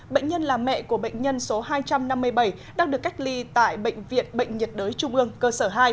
bệnh nhân là mẹ của bệnh nhân số hai trăm năm mươi bảy đang được cách ly tại bệnh viện bệnh nhiệt đới trung ương cơ sở hai